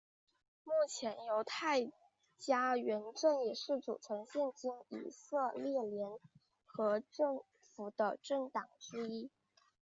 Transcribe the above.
目前犹太家园党也是组成现今以色列联合政府的政党之一。